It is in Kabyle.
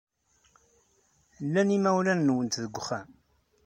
Llan yimawlan-nwent deg uxxam?